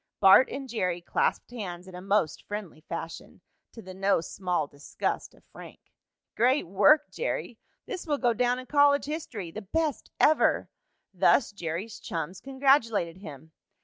Bart and Jerry clasped hands in a most friendly fashion, to the no small disgust of Frank. "Great work, Jerry!" "This will go down in college history!" "The best ever!" Thus Jerry's chums congratulated him.